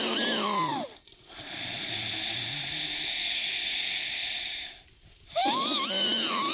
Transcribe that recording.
ต้อนรับเสียงน้ำเก็ต